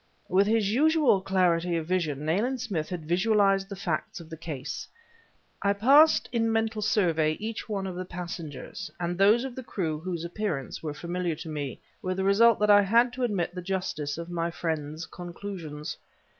With his usual clarity of vision, Nayland Smith had visualized the facts of the case; I passed in mental survey each one of the passengers, and those of the crew whose appearances were familiar to me, with the result that I had to admit the justice of my friend's conclusions.